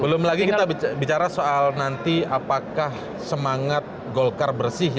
belum lagi kita bicara soal nanti apakah semangat golkar bersih